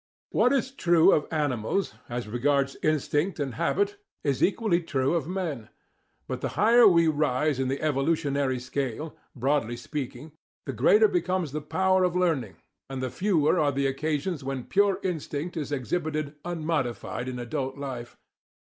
What is true of animals, as regards instinct and habit, is equally true of men. But the higher we rise in the evolutionary scale, broadly speaking, the greater becomes the power of learning, and the fewer are the occasions when pure instinct is exhibited unmodified in adult life.